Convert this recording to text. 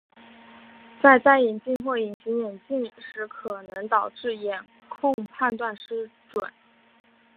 在戴眼镜或隐形眼镜时可能导致眼控判断失准。